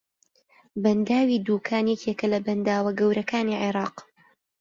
بەنداوی دووکان یەکێکە لە بەنداوە گەورەکانی عێراق